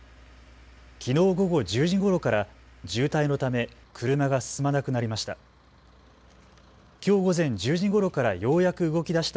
きのう午後１０時ごろから渋滞のため車が進まなくなりました。